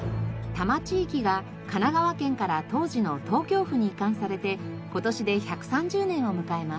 多摩地域が神奈川県から当時の東京府に移管されて今年で１３０年を迎えます。